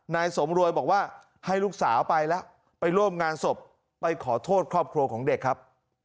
นายสมรวยบอกว่าให้ลูกสาวไปแล้วไปร่วมงานศพไปขอโทษครอบครัวของเด็กครับ